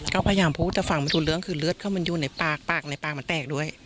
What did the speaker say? ก็พยายามพูดแต่ฟังไม่รู้เรื่องคือเลือดเข้ามันอยู่ในปากปากในปากมันแตกด้วย